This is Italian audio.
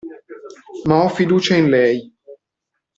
Ma ho fiducia in lei!